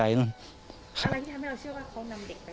อะไรที่ทำให้เราเชื่อว่าเขานำเด็กไป